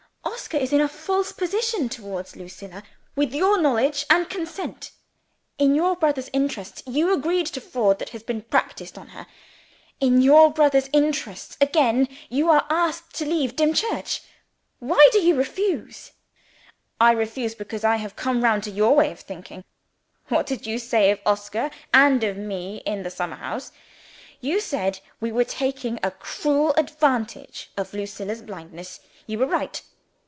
Oscar is in a false position towards Lucilla, with your knowledge and consent. In your brother's interests, you agreed to the fraud that has been practiced on her. In your brother's interests, again, you are asked to leave Dimchurch. Why do you refuse?" "I refuse, because I have come round to your way of thinking. What did you say of Oscar and of me, in the summer house? You said we were taking a cruel advantage of Lucilla's blindness. You were right.